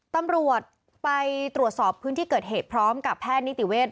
ตำรวจไปตรวจสอบพื้นที่เกิดเหตุพร้อมกับแพทย์นิติเวศ